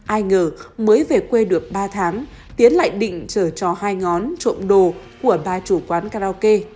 ai ngờ mới về quê được ba tháng tiến lại định chở cho hai ngón trộm đồ của ba chủ quán karaoke